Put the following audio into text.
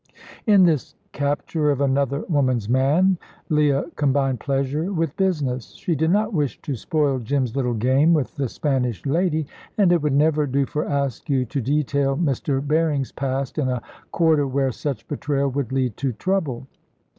In this capture of another woman's man, Leah combined pleasure with business. She did not wish to spoil Jim's little game with the Spanish lady, and it would never do for Askew to detail Mr. Berring's past in a quarter where such betrayal would lead to trouble.